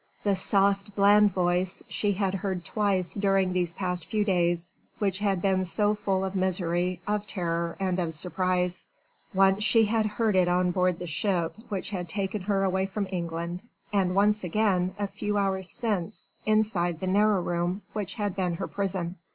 The soft bland voice she had heard twice during these past few days, which had been so full of misery, of terror and of surprise: once she had heard it on board the ship which had taken her away from England and once again a few hours since, inside the narrow room which had been her prison.